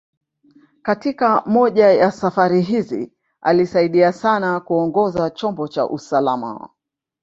Katika moja ya safari hizi, alisaidia sana kuongoza chombo kwa usalama.